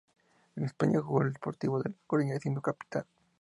En España, jugó en el Deportivo de La Coruña, siendo capitán.